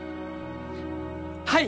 はい！